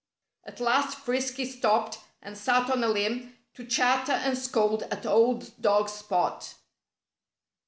At last Frisky stopped and sat on a limb, to chatter and scold at old dog Spot.